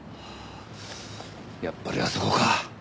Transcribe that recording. やっぱりあそこか。